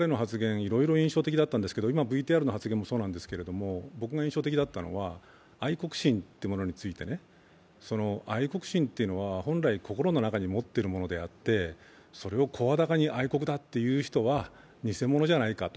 いろいろ印象的だったんですけれども、今のＶＴＲの発言もそうだったんですけど、僕が印象的だったのは愛国心というものについて、愛国心というのは、本来心の中に持っているものであって、それを声高に「愛国だ」という人は偽者ではないかと。